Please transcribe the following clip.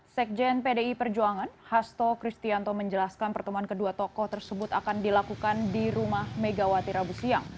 sekjen pdi perjuangan hasto kristianto menjelaskan pertemuan kedua tokoh tersebut akan dilakukan di rumah megawati rabu siang